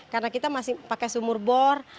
karena kita masih pakai sumur bor